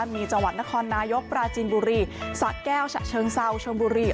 มีจังหวัดนครนายกปราจีนบุรีสะแก้วฉะเชิงเซาชนบุรี